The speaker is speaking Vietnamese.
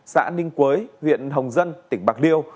xã ninh quế huyện hồng dân tỉnh bạc liêu